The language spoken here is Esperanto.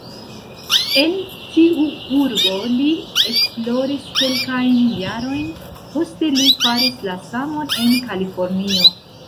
En tiu urbo li esploris kelkajn jarojn, poste li faris la samon en Kalifornio.